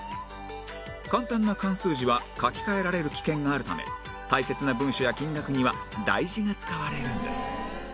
簡単な漢数字は書き換えられる危険があるため大切な文書や金額には大字が使われるんです